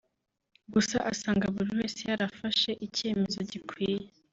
gusa asanga buri wese yarafashe icyemezo gikwiye